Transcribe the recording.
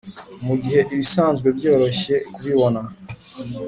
mugihe ibisanzwe byoroshye kubibona,